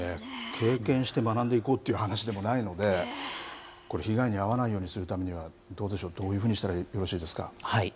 経験して学んでいこうという話でもないので、これ、被害に遭わないようにするためには、どうでしょう、どんなふうにしたらよろしいでしょうか。